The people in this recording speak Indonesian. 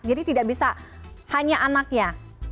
jadi tidak bisa hanya anaknya